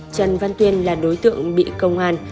trần văn tuyên là đối tượng bị công an